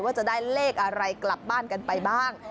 ว่าจะได้เลขอะไรกลับบ้านกันไปบ้าง